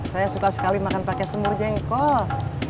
saya suka sekali makan pakai semur jengkolos